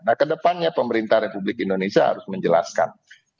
nah ke depannya pemerintah republik indonesia harus menjelaskan secara baik